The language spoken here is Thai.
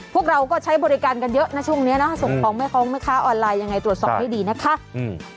พวกเราก็ใช้บริการกันเยอะนะช่วงเนี้ยเนอะส่งของแม่ของแม่ค้าออนไลน์ยังไงตรวจสอบให้ดีนะคะอืม